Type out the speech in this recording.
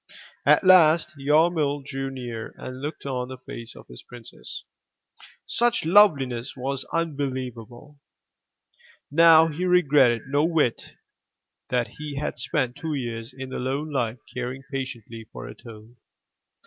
At last Yarmil drew near and looked on the face of his princess. Such loveliness was unbelievable! Now he regretted no whit that he had spent two years in lone life caring patiently for a toad.